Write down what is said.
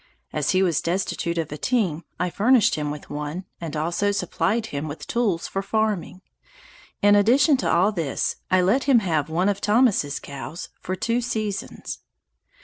As he was destitute of a team, I furnished him with one, and also supplied him with tools for farming. In addition to all this, I let him have one of Thomas' cows, for two seasons.